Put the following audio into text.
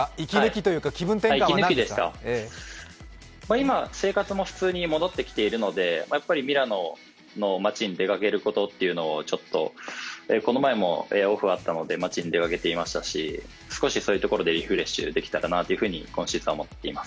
今、生活も普通に戻ってきているのでミラノの街に出かけることをちょっと、この前もオフあったので街に出かけていましたし、少しそういうところでリフレッシュできたらなというふうに今シーズンは思っています。